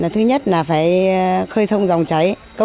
thứ nhất là phải khơi thông dòng cháy